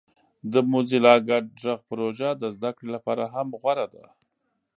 د موزیلا ګډ غږ پروژه د زده کړې لپاره هم غوره ده.